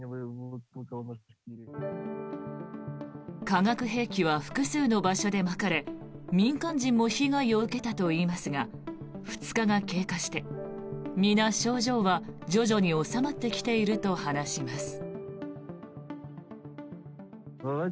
化学兵器は複数の場所でまかれ民間人も被害を受けたといいますが２日が経過して皆、症状は徐々に治まってきていると話します。